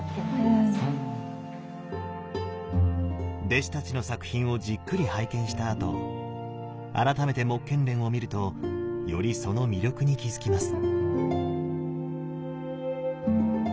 弟子たちの作品をじっくり拝見したあと改めて目連を見るとよりその魅力に気付きます。